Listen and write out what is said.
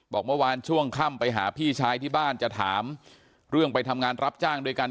บอกเมื่อวานช่วงค่ำไปหาพี่ชายที่บ้านจะถามเรื่องไปทำงานรับจ้างด้วยกัน